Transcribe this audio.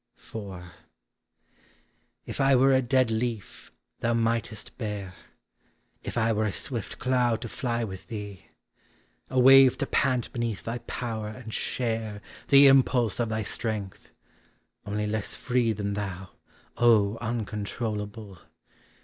IV. If I were a dead leaf thou mightest bear; If I were a swift cloud to fly with thee; A wave to pant beneath thy power and share The impulse of thy strength — only less free Than thou, (3 uncontrollable